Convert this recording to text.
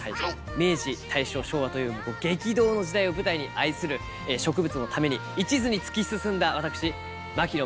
明治大正昭和というもう激動の時代を舞台に愛する植物のためにいちずに突き進んだわたくし槙野